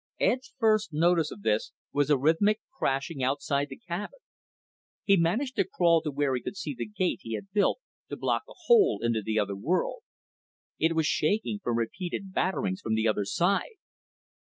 Ed's first notice of this was a rhythmic crashing outside the cabin. He managed to crawl to where he could see the gate he had built to block the hole into the other world. It was shaking from repeated batterings from the other side.